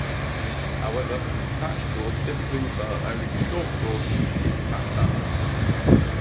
However, patch cords typically refer only to short cords used with patch panels.